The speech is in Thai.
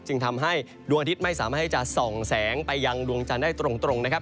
จึงทำให้ดวงอาทิตย์ไม่สามารถให้จะส่องแสงไปยังดวงจันทร์ได้ตรงนะครับ